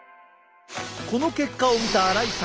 この結果を見た荒井さん。